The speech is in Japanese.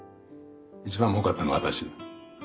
一番もうかったのは私。